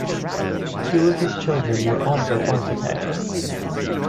Two of his children were also architects.